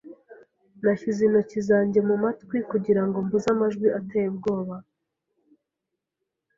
Nashyize intoki zanjye mumatwi kugirango mbuze amajwi ateye ubwoba.